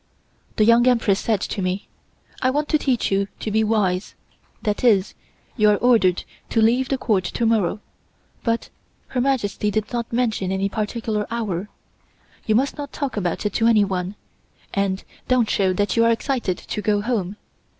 The Young Empress said to me: "I want to teach you to be wise, that is, you are ordered to leave the Court to morrow, but Her Majesty did not mention any particular hour. You must not talk about it to anyone, and don't show that you are excited to go home.